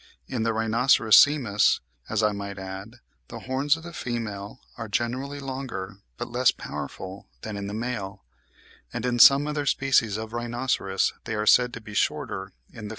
In the Rhinoceros simus, as I may add, the horns of the female are generally longer but less powerful than in the male; and in some other species of rhinoceros they are said to be shorter in the female.